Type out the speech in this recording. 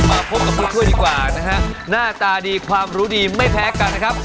มาพบกับผู้ช่วยดีกว่านะฮะหน้าตาดีความรู้ดีไม่แพ้กันนะครับ